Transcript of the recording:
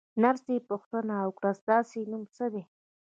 نرسې پوښتنه وکړه: ستاسې نوم څه دی؟